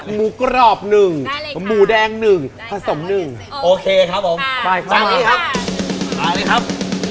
หมูกรอบ๑หมูแดง๑ผสม๑โอเคครับผมไปครับไปเลยครับ